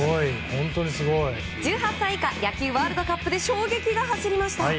１８歳以下野球ワールドカップで衝撃が走りました。